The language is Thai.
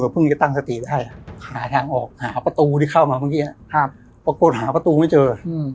ไปไหนมันหนีไม่ได้